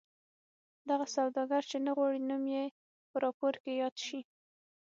دغه سوداګر چې نه غواړي نوم یې په راپور کې یاد شي.